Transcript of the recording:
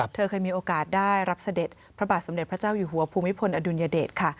เธอเคยมีโอกาสได้รับเสด็จพระบาทสมเด็จพระเจ้าอยู่หัวภูมิพลอดุลยเดชค่ะ